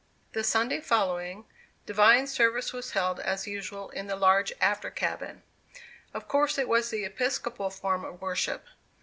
The Sunday following, divine service was held as usual in the large after cabin. Of course it was the Episcopal form of worship.